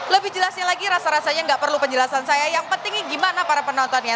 lebih jelasnya lagi rasa rasanya nggak perlu penjelasan saya yang penting gimana para penontonnya